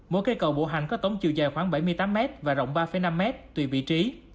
mỗi cây cầu bộ hành có tống chiều dài khoảng bảy mươi tám mét và rộng ba năm mét tùy vị trí